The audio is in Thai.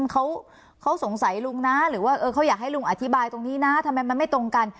เขาสงสัยลุงนะหรือว่าเขาอยากให้ลุงอธิบายตรงนี้นะทำไมมันไม่ตรงกัน